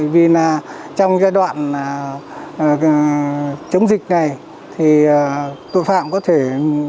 vì trong giai đoạn chống dịch này tội phạm có thể